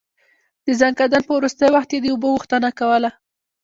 د ځنکدن په وروستی وخت يې د اوبو غوښتنه کوله.